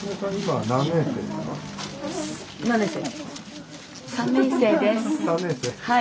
はい。